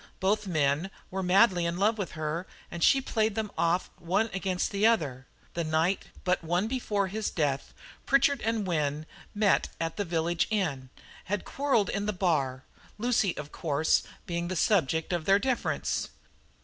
Both men were madly in love with her, and she played them off one against the other. The night but one before his death Pritchard and Wynne had met at the village inn, had quarrelled in the bar Lucy, of course, being the subject of their difference.